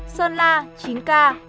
sơn la chín ca